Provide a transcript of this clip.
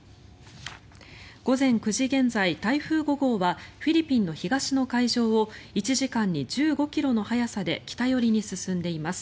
午前９時現在、台風５号はフィリピンの東の海上を１時間に１５ｋｍの速さで北寄りに進んでいます。